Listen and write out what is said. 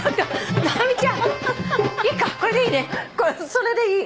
それでいい！